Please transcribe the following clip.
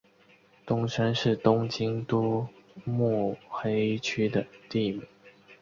东山是东京都目黑区的地名。